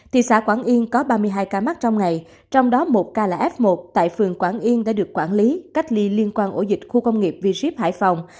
thị xã quảng yên có ba mươi hai ca mắc trong ngày trong đó một ca là f một tại phường quảng yên đã được quản lý cách ly liên quan ổ dịch khu công nghiệp v ship hải phòng